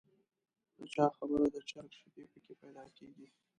د چا خبره د چرګ شیدې په کې پیدا کېږي.